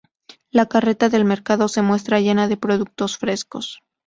La carreta del mercado se muestra llena de productos frescos.